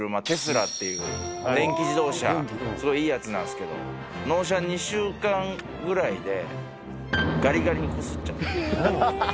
テスラっていう、電気自動車、すごいいいやつなんですけど、納車２週間ぐらいで、がりがりにこすっちゃって。